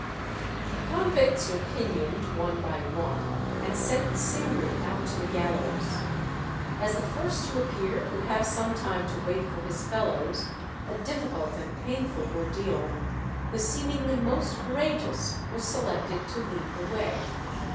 The convicts were pinioned one by one and sent singly out to the gallows. As the first to appear would have some time to wait for his fellows, a difficult and painful ordeal, the seemingly most courageous was selected to lead the way.